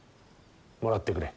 もらってくれ。